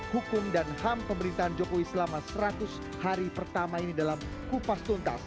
hukum dan ham pemerintahan jokowi selama seratus hari pertama ini dalam kupas tuntas